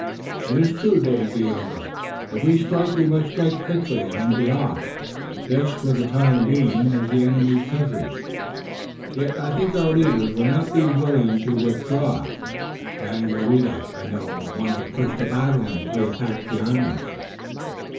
"It is true, Dagaeoga. If we strike we must strike quickly and then be off. This, for the time being, is the enemy's country, yet I think our leaders will not be willing to withdraw. Daganoweda, I know, will want to push the battle and to attack on the island."